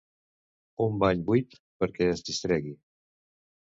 Un bany buit perquè es distregui.